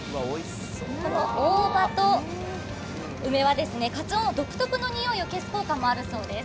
大葉と梅はカツオの独特のにおいを消す効果もあるそうです。